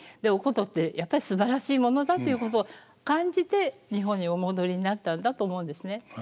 「お箏ってやっぱりすばらしいものだ」っていうことを感じて日本にお戻りになったんだと思うんですね。